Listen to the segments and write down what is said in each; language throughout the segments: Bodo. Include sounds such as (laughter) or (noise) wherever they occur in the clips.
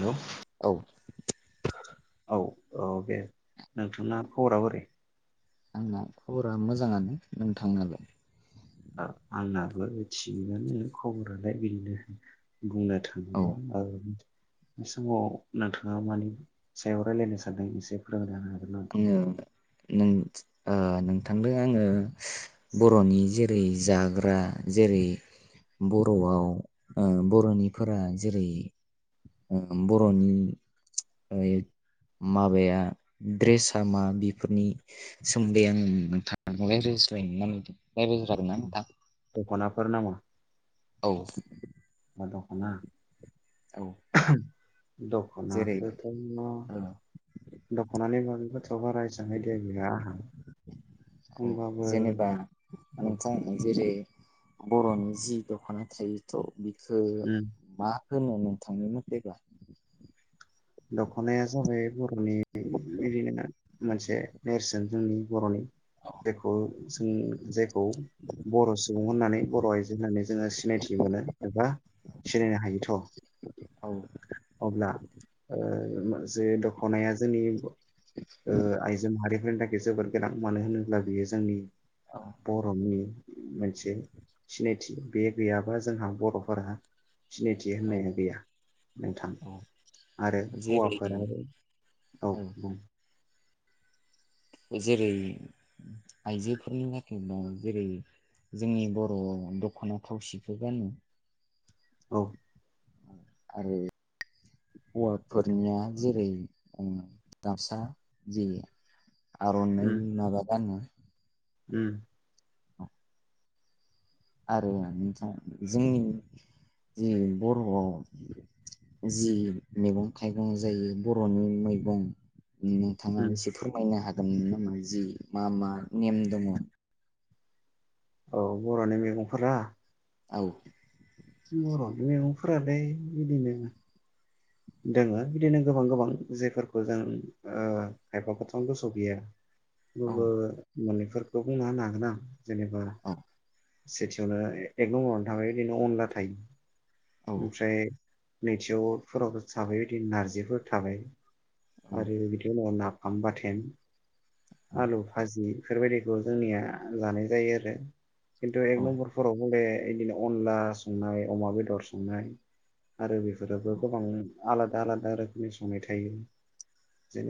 हेल' औ। औ औ दे नोंथांना खबरा बोरै। आंना खबरा मोजाङानो नोंथांनालाय। ओ आंनाबो थिगानो खबरालाय बिदिनो। बुंनो औ थाङोब्ला आरो। बे समाव नोंथाङा मानि सायाव रायलायनो सानदों एसे फोरमायना हो। (unintelligible) ओ नों। थांदों आङो बर'नि जेरै जाग्रा जेरै बर'आव ओ बर'नि फोरा जेरै ओ बर'नि (unintelligible) माबाया। ड्रेसा मा बेफोरनि सोमोन्दै आङो नोंथां राययज्लायनो (unintelligible) राय्लायज्लगोन ना नोंथां। दखनाफोर नामा। औ। बा दखना। औ। जेरै दखनाखोथ औ दखनानि बागैबाथ बरा एसां आइदिया गैया आंहा। अ होमबाबो जेनेबा औ नोंथां जेरै। बरनि जि दखना थायोथ बि उम (unintelligible) मा होनो नोंथांनि मतेबा। दखनाया जाबाय बरनि बिदिनो मोनसे नेरसोन जोंनि बर'नि। जायखौ जों जायखौ बर' सुबुं होननानै बर' आइजो होननानै जोङो सिनायथि मोनो एबा सिनायनो हायोथ औ अब्ला। ओ जे दा खनाया जोंनि ओ आइजो माहारिफोरनि थाखाय। बे जोबोर गोनां मानो होनोब्ला बियो जोंनि। औ बर'नि। मोनसे सिनायथि बे गैयाबा जोंहा बर'फोरा। सिनायथि औ होननाया गैया नोंथां। औ आरो जेरै हौवाफोराबो औ बुं जेरै आइजोफोरनि नाखाय दं जेरै जोंनि बरयाव दखाना थावसिखौ गानो औ आरो हौवाफोरनिया जेरै दाबसा जि आरनाय उम माबागानो उम। आरो नोंथां जोंनि जि बरआव जि मैगं थाइगं जायो बरनि मैगं नोंयोथाङा उम एसे फोरमायनो हाख खामनो नामा जि मा मा नेम दङ। औ बर'नि मेगंफोरा औ। बर'नि मैगंफोरालाय बिदिनो दोङो बिदिनो गोबां गोबां जेफोरखौ जों ओ खायफाखौथ' आं गोसोआव गैया। औ मोबो माने फोरखौ बुंना होनो हागोन आं। जेनेबा औ सेथियावनो ए-एकनंआवनो थाखायो इदिनो अनला थायो। औ ओमफ्राय नैथियावफोराव थाबाय यैदिन नारजिफोर थाबाय। औ आरो बिनि उनाव ना आमबाथेन आलौ भाजि फोरबायदिखौ जोंनिया लानाय जायो आरो। खिनथु एक औ नम्बरफोराव हले यैदिनो अनला संनाय अमा बेदर संनाय आरो बेफोराबो गोबांनो आलादा आलादा रोखोमनि संनाय थायो।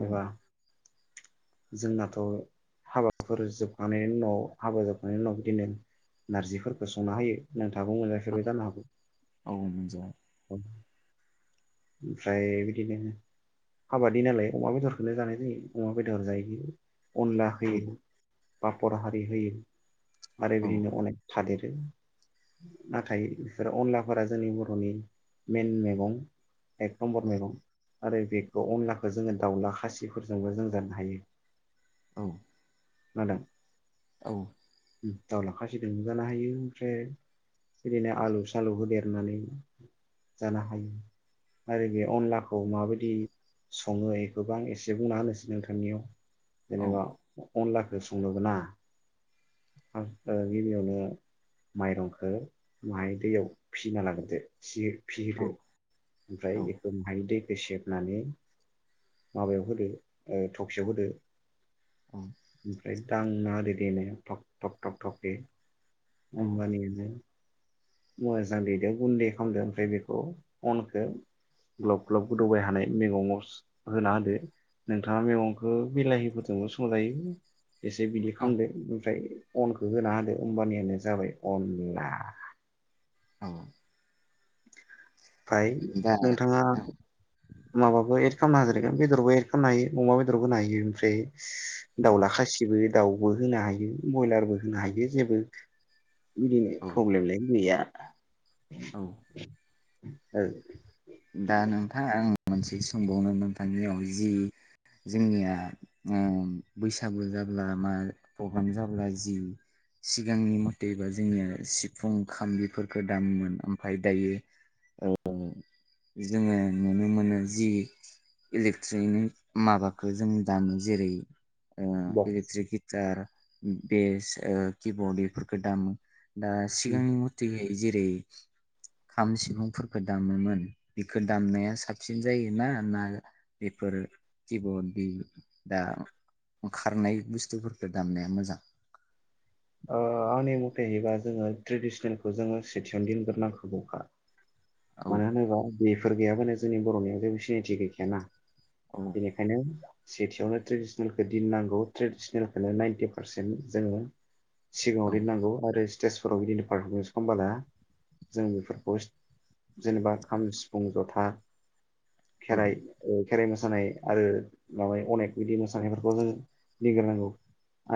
औ जोंनाथ' हाबाफोर जोबखांनायनि उनाव हाबा जोबखांनायनि उनाव बिदिनो नारजिफोरखौ संना होयो नोथ थागौ औ मोनजाफेरबाय जानो हागौ औ मोनजाबाय औ ओमफ्राय बिदिनो हाबानि नालाय अमा बेदरखौनो जानाय जायो अमा बेदर जायो अनला औ होयो बा बर हारि होयो आरो औ बिदिनो अनेक थादेरो नाथाय बेफोरो अनलाफोरा जोंनि बर'नि मेन मेगं। एक नमबर मेगं। आरो बेखौ अनलाखौ जोंङो दाउला खासिफोरजोंबो जों जानो हायो। औ (unintelligible) औ उम दाउला खासिदोंबो जानो हायो ओमफ्राय बिदिनो आलु सालु होदेरनानै जानो हायो आरो बे अनलाखौ माबायदि संङो एखौबो आं एसे बुंना होनोसै नोंथांनियाव। जेनेबा अनलाखौ संनोब्ला ओ गिबियावनो माइरंखौ माहाय दैयाव फिसिना लाग्रोदो फिसि फिहदो ओमफ्राय औ औ एखो माहाइ दै बेसेबनानै माबायाव होदो थबसियाव होदो अं ओमफ्राय दांना होदो देनाया टक टक टक दे। अमबानिनो मोजां दैदो गुन्दै खालामदो ओमफ्राय बेखौ अनखौ ग्लब ग्लब गोदौबाय हानाय मैगंङाव होना होदो नोंथांङा मैगंखौ बिलाहिफोरजोंबो संजायो। एसे बिदि खालामदो ओमफ्राय अनखौ होना होदो होमबानियानो जाबाय अनला। अ फाय नोंथांङा। औ माबाबो एड खालामनो हादेरगोन बेदरबो एड खालामनो हायो अमा बेदरबो होनो हायो ओमफ्राय दाउला खासिबो। दाउबो होनो हायो बयलारबो होनो हायो जेबो बिदिनो औ प्रब्लेमलाय गैया। औ (inaudible) ओ दा नोंथांङा आं मोनसे सोंबावनो नोंथांनियाव जि जोंनिया ओं बैसागु जाब्ला मा प्रग्राम जाब्ला जि सिगांनि मथेबा जोंनिया सिफुं खामबिफोरखौ दामोमोन ओमफ्राय दायो ओ जोङो नुनो मोनो जि इलेक्ट्रनिक माबाखौ जों दामो जेरै ओ बक्स इलिट्रिक गिटार बेस ओ किबर्ड बेफोरखौ दामो। दा सिगांनि मथेै जेरै खाम सिफुंफोरफोरखौ दामोमोन। बिखौ दामनाया साबसिन जायोना ना बेफोर किबर्ड दा खारनाय बुस्थुफोरखौ दामनाया मोजां। ओ आंनि मथेबा जोङो ट्रेडिसनेलखौ जोङो सेथियावनो दोनग्रोनांगोरगौखा। औ मानो होनोबा बेयो फोर गैयाबानो जोंनि बर'नियाव जेबो सिनायथि गैखायाना। औ बेनिखानो सेथियावनो ट्रेडिसनेलखौ दिननांगौ ट्रेडिसनेलखौनो नाइन्टि पारसेन्ट जोङो सिगाङाव औ दिनांगौ आरोस स्टेजफोराव बिदिनो पारफरमेन्स खालामबोला जों बेफोरखौस जेनेबा खाम सिफुं जथा। औ खेराइ खेराइ मोसानाय आरो माबायै अनेक बिदि मोसानायफोरखौ जोङो गिग्रोनांगौ।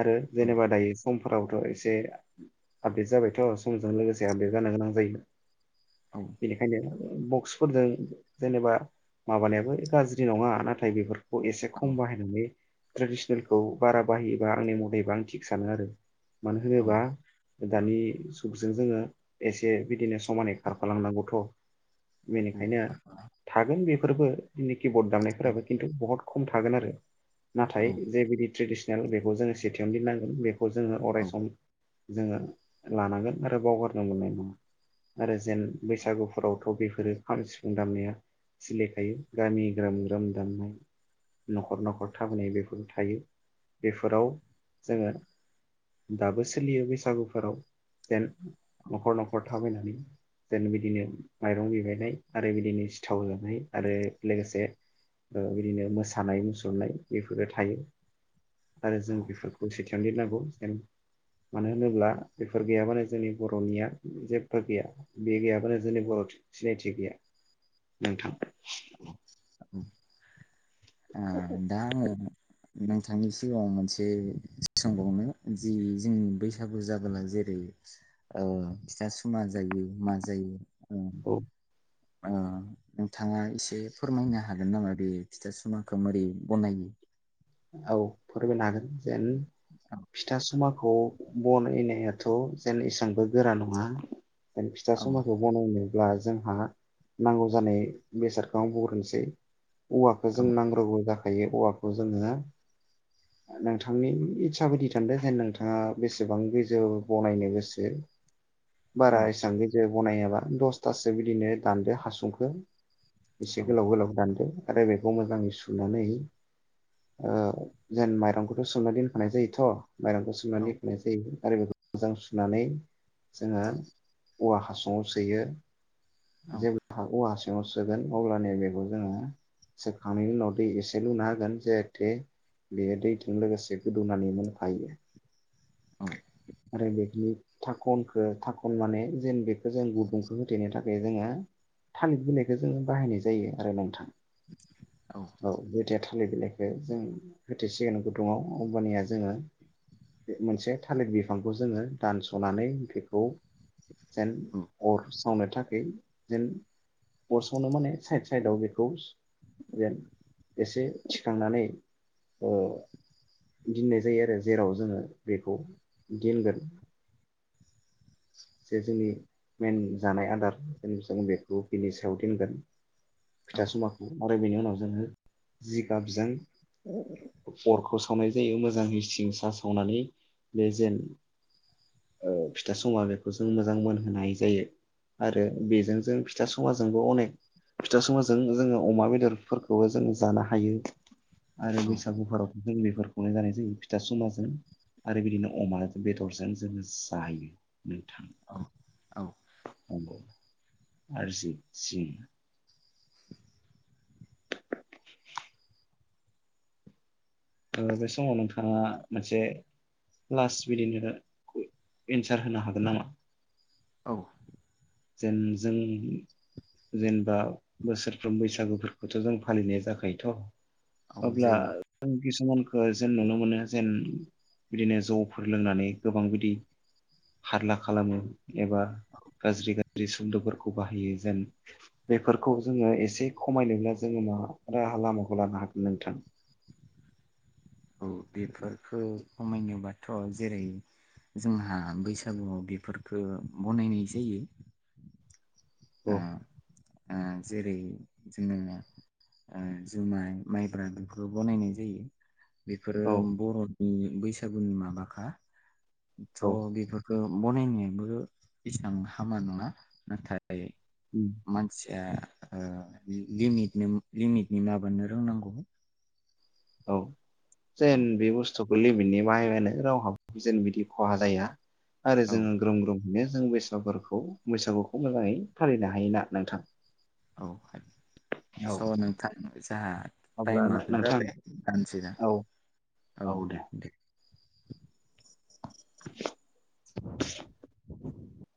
आरो औ जेनेबा दायो समफोरावथ एसे आपडेट जाबायथ समजों लोगोसे आपडेट जानो गोनां जायो। औ बेनिखायनो बक्सफोरजों जेनेबा माबानायाबो गाज्रि नङा नाथाय बेफोर खौ एसे औ खम बाहायनानै ट्रेडिसनेलखौ बारा बाहायोबा आंनि मदैबा आं थिग सानो आरो मानो होनोबा औ दानि जुगजों जोङो एसे बिदिनो समानै खारफालांनांगौ (unintelligible) औ बेनिखायनो थागोन बेब फोरबो (unintelligible) किबर्ड दामनायफोराबो खिन्थु बहद खम थागोन आरो नाथाय जे बिदि ट्रेडिसन (unintelligible) बेखौ जोङो सेथियावनो दिननांगोन बे खौ जोङो औ अरायसम जोङो लानांगोन आरो बावगारनो मोननाय नङा आरो जेन बैस बैसागुफोरावथ बेफोरो खाम सिफुं दामनाया सोलिखायो गामि ग्रोम ग्रोम दामनाय नखर नखर थाबायनाय बेफोर थायो बेफोराव जोङो दाबो सोलियो बैसागुफोराव जेन नखर नखर थाबायनानै जेन बि बिदिनो माइरं बिबायनाय आरो बिदिनो सिथाव जानाय आरो लोगोसे ओ बिदिनो मोसानाय मुसुरनाय बेफोरो थायो। आरो औ जों ओ बेफोरखौ सेथियावनो दिननांगौ (unintelligible) मानो होनोब्ला बेफोर गैयाबानो जोंनि बरनिया जेबो गैया बे गैयाबानो जोंनि बरद सिनायथि गैया नोंथां (unintelligible) (unintelligible) आ दा आङो नोंथांनि सिगाङाव मोनसे सोंबावनो जि जोंनि बैसागु जाबोला जेरै फिथा सुमा जायो मा जायो। ओ औ ओ नोंथाङा एसे फोरमायनो हागोन नामा बे फिथा सुमाखौ मोरै बनायो औ फोरमायनो हागोन जेन फिथा सुमा खौ बनायनायाथ जेन एसांबो गोरा नङा (unintelligible) फिथा औ सुमाखो बनायनो ब्ला जोंहा नांगौ जानाय बेसादखौ आं बुंग्रोनोसै औवाखौ औ जों नांग्रोगौ जागोन। दायो औवाखौ जोङो नोंथांनि इस्सा बायदि दान्दो जे नोंथाङा बेसेबां गोजौ बनायनो गोसो। औ बारा एसां गिदिर बनायाबा दसथासो बिदिनो दानदो हासुंखौ। एसे औ गोलाव गोलाव दानदो। आरो बेखौ मोजाङै सुनानै ओ जेन माइरंखौथ सोना दोनफानाय जायोथ माइरंखौ औ सोमनानै होनाय जायो आरो बेखौ मोजां सुनानै जोङो औवा हासुङाव सोयो। औ जों (unintelligible) खौ हासुङाव सिङाव सोगोन अब्लानिया बेखौ जोङो सोखांनायनि उनाव दै एसे लुना होगोन जाहाथे बेयो दैजों लोगोसे गोदौनानै मोनफायो। औ आरो बेदि थाखनखौ थाखन माने जेन बेखौ जों गुदुंखौ होथेनो थाखाय जोङो थालिर बिलाइखौ जोङो बाहायनाय जायो आरो नोंथां औ बे (unintelligible) थालिर बिलाइखौ जों होथेसिगोन गुदुङाव होनबानिया जोङो मोनसे थालिर बिफांखौ जोङो दानसनानै बेखौ जेन औ अर सावनो थाखाय जेन अर सावनो माने साइद साइदआव बेखौ जेन एसे थिखांनानै ओ दोननाय जायो आरो जेराव जोङो बेखौ गेनगोन जे जोंनि मेइन जानाय आदार जेन जों बेखौ बिनि सायाव दोनगोन औ फिथा सुङाखौ। ओमफ्राय बेनि उनाव जोङो जिगाबजों अरखौ सावनाय जायो मोजाङै सिं सा सावनानै बे जेन ओ फिथा सुङा बे खौ जों मोजां मोनहोनाय जायो आरो बेजों जों फिथा सुङाजोंबो अनेक फिथा सुङाजों जोङो अमा बेदरफोरखौबो जों जानो हायो। आरो बैसागुफोराव जों बेफोरखौनो जानाय जायो फिथा सुङाजों आरो बिदिनो अमा बेदरजों जोङो जायो। नोंथां औ औ नंगौ आरजि जि (inaudible) ओ बे समाव नोंथां आ मोनसे प्लास बिदिनो एन्सार होनो हागोन नामा? औ। जेन जों जेनेबा बोसोरफ्रोम बैसागुफोरखौथ जों फालिनाय जाखायोथ औ अब्ला जायो किसुमान ओ जों नुनो मोनो जेन बिदिनो जौफोर लोंनानै गोबां बिदि हारला खालामो एबा गाज्रि गा थ्रि सब्दफोरखौ बाहायो जेन बेफोरखौ जोङो एसे खमायनोब्ला जोङो मा राहा लामाखौ लानो हागोन नोंथां? औ बेफोरखौ खमायनोबाथ जेरै जोंहा बैसागुआव बेफोरखौ बनायनाय जायो आ औ आ जेरै जोङो ओ जुमाइ माइब्रा बेफोरखौ बनायनाय जायो बेफोरो औ बर'नि बैसागुनि माबाखा थ औ बेफोरखो बनायनाबो एसां हामा नङा नाथाय उम मानसिया ओ लिमिटनो-लिमिटनि माबानो रोंनांगौ। औ जेन बे बुस्तु लिमिटनि बाहायबानो रावहाबो जेन बिदि खहा जाया। आरो औ जोङो ग्रोम ग्रोम (unintelligible) जों बैसागफोरखौ बैसागुखौ मोजाङै फालिनो हायोना नोंथां। औ हायो। औ स नोंथां जाहा अब्ला टाइमाबो नोंथां जाबाय थांनोसैना औ औ दे। (inaudible) (inaudible)